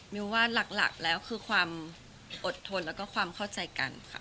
มิวว่าหลักแล้วคือความอดทนแล้วก็ความเข้าใจกันค่ะ